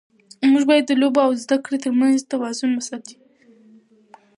ماشوم باید د لوبو او زده کړې ترمنځ توازن وساتي.